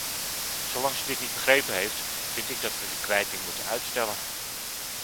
Zolang ze dit niet begrepen heeft, vind ik dat we de kwijting moeten uitstellen.